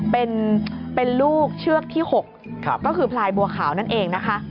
เป็นลูกเชือกที่๖ก็คือพลายบัวขาวนั่นเองนะคะ